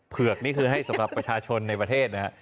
เผือกนี่คือให้สำหรับประชาชนในประเทศนะครับ